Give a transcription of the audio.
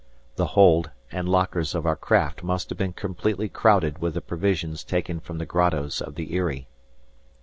The hold and lockers of our craft must have been completely crowded with the provisions taken from the grottoes of the Eyrie.